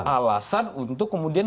alasan untuk kemudian